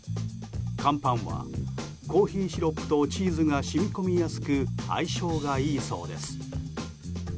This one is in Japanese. カンパンはコーヒーシロップとチーズが染み込みやすく相性がいいそうです。